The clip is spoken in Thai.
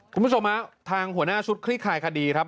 คุณผู้ชมฮะทางหัวหน้าชุดคลี่คลายคดีครับ